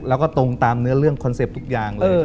แล้วก็ตรงตามเนื้อเรื่องคอนเซ็ปต์ทุกอย่างเลย